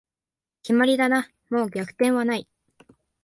決まりだな、もう逆転はない